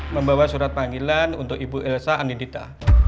membawa surat panggilan untuk ibu elsa anindita